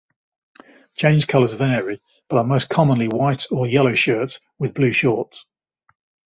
Change colours vary, but are most commonly white or yellow shirts with blue shorts.